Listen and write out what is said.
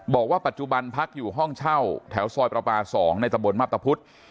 บอกว่าปัจจุบันพักอยู่ห้องเช่าแถวซอยประปา๒ในตะบนมับตะพุทธ